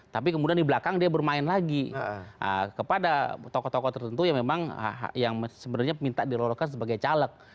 tapi kemudian di belakang dia bermain lagi kepada tokoh tokoh tertentu yang memang yang sebenarnya minta diloloskan sebagai caleg